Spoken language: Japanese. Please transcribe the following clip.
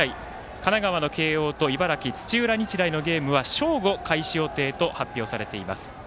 神奈川の慶応と茨城、土浦日大のゲームは正午開始予定と発表されています。